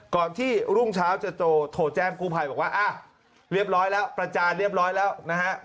ก่อนที่รุ่งเช้าจะโทรแจ้งกู้ภัยบอกว่าเรียบร้อยแล้วประจานเรียบร้อยแล้วนะฮะ